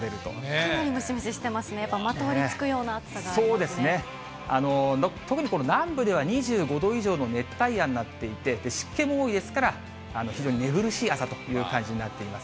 かなりムシムシしてますね、そうですね、特にこの南部では２５度以上の熱帯夜になっていて、湿気も多いですから、非常に寝苦しい朝という感じになっています。